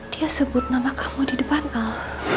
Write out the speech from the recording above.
dia sebut nama kamu di depan al